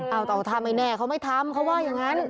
เออแต่เอาทำไว้แน่เค้าไม่ทำเค้าว่าอย่างนั้น